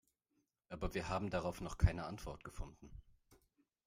Aber wir haben darauf noch keine Antwort gefunden.